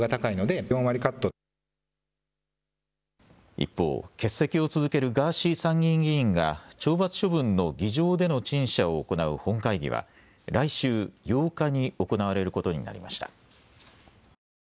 一方、欠席を続けるガーシー参議院議員が懲罰処分の議場での陳謝を行う本会議は来週８日に行われることになりました。